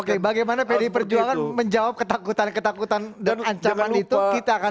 oke bagaimana pdi perjuangan menjawab ketakutan ketakutan dan ancaman itu kita akan